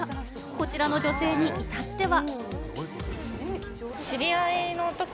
こちらの女性にいたっては。